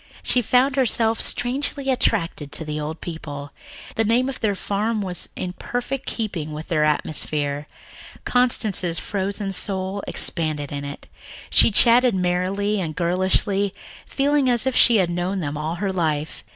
She found herself strangely attracted to the old couple. The name of their farm was in perfect keeping with their atmosphere. Constance's frozen soul expanded in it. She chatted merrily and girlishly, feeling as if she had known them all her life.